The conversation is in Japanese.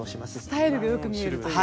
スタイルがよく見えるという。